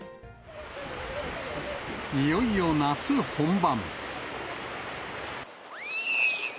いよいよ夏本番。